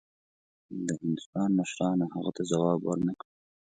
د هندوستان مشرانو هغه ته ځواب ورنه کړ.